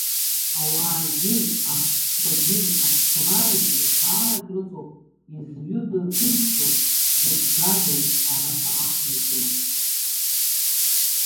Ауаагьы, аԥстәқәагьы, аԥсабарагьы хаарак рыҵоуп, изҩыдоу ҭынчроуп, гәыҭгагоуп араҟа аҳра зуа.